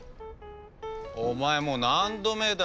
お前もう何度目だ。